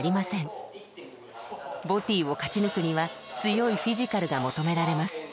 ＢＯＴＹを勝ち抜くには強いフィジカルが求められます。